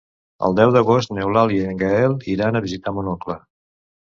El deu d'agost n'Eulàlia i en Gaël iran a visitar mon oncle.